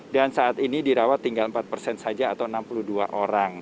dan saat ini dirawat tinggal empat persen saja atau enam puluh dua orang